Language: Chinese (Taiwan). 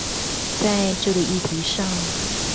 在這個議題上